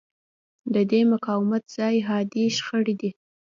د دې مقاومت ځای حادې شخړې دي.